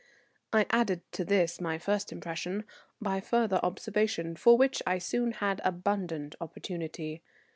I added to this, my first impression, by further observation, for which I soon had abundant opportunity.